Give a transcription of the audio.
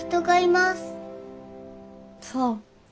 そう。